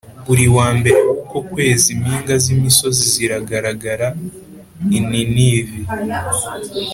Buri wa mbere w’uko kwezi impinga z’imisozi ziragaragara I Ninivi